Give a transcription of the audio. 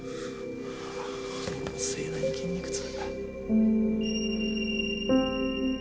俺も盛大に筋肉痛。